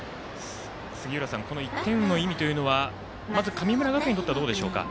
この１点の意味というのは、まず神村学園にとってはどうでしょうか。